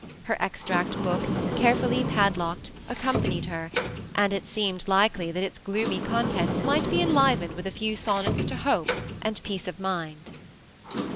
Her extract book, carefully padlocked, accompanied her, and it seemed likely that its gloomy contents might be en livened with a few sonnets to " Hope " and " Peace of Mind."